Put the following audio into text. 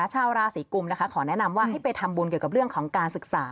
ชาวราศีกุมนะคะขอแนะนำว่าให้ไปทำบุญเกี่ยวกับเรื่องของการศึกษา